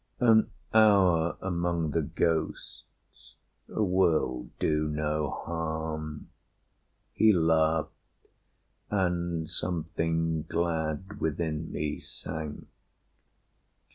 "An hour among the ghosts will do no harm." He laughed, and something glad within me sank.